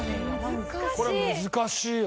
これ難しいよ。